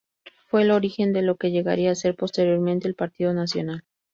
Fue el origen de lo que llegaría a ser posteriormente el Partido Nacional.